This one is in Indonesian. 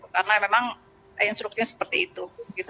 karena memang instruksinya seperti itu